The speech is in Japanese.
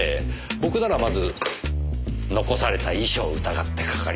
僕ならまず残された遺書を疑ってかかります。